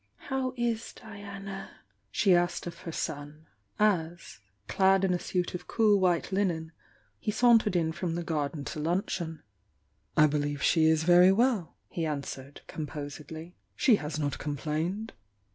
"How is Diana?" she asked of her son, as, clad in a suit of cool white linen, he sauntered in from the j^arden to luncheon. "I believe she is very well," he answered, com posedly. "She has not oomplained."